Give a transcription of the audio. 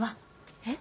えっ？